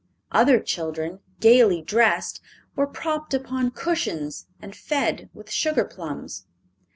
Other children, gaily dressed, were propped upon cushions and fed with sugar plums.